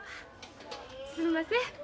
すんません。